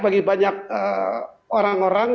bagi banyak orang orang